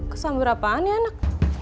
kesambur apaan ya anak